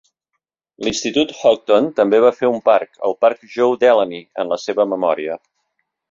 L'institut Haughton també va fer un parc, el parc Joe Delaney, en la seva memòria.